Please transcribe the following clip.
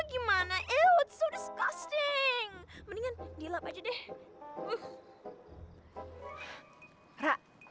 gimana itu diseksi mendingan dilap aja deh